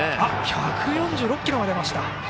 １４６キロが出ました。